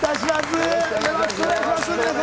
お願いします、皆様。